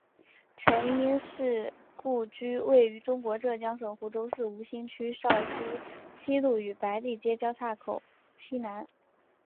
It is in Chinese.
陈英士故居位于中国浙江省湖州市吴兴区苕溪西路与白地街交叉口西南。